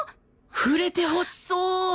触れてほしそう！